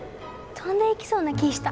飛んでいきそうな気ぃした。